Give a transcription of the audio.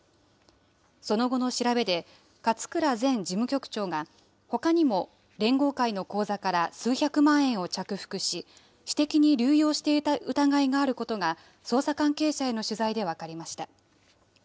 その後の調べで、勝倉前事務局長が、ほかにも連合会の口座から数百万円を着服し、私的に流用していた疑いがあることが、捜査関係者への取材で分かりました。